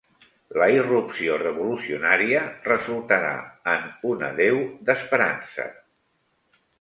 La irrupció revolucionària resultarà en una deu d'esperança.